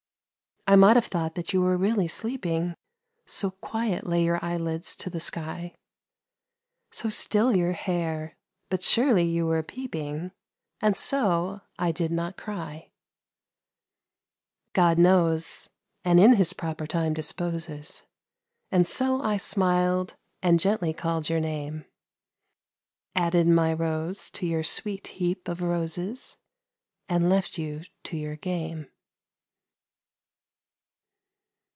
I might have thought that you were really sleeping, So quiet lay your eyelids to the sky, So still your hair, but surely you were peeping, And so I did not cry. God knows, and in His proper time disposes, And so I smiled and gently called your name, Added my rose to your sweet heap of roses, And left you to your game.